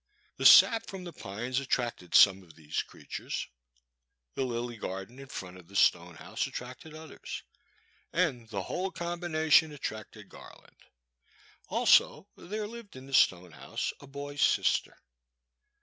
The sap from the pines attracted some of these crea tures, the lily garden in front of the stone house attracted others, and the whole combination attracted Garland. Also there lived in the stone house a boy's sister.